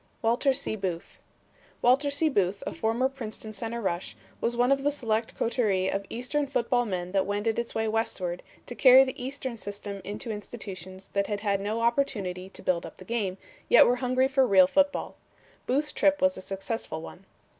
Walter C. Booth Walter C. Booth, a former Princeton center rush, was one of the select coterie of Eastern football men that wended its way westward to carry the eastern system into institutions that had had no opportunity to build up the game, yet were hungry for real football. Booth's trip was a successful one.